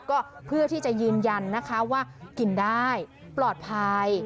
ก็เพื่อที่จะยืนยันนะคะว่ากินได้ปลอดภัย